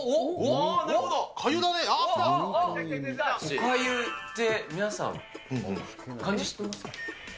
おかゆって、皆さん、漢字知ってますか？